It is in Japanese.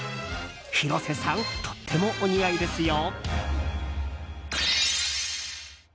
広瀬さんとってもお似合いですよ。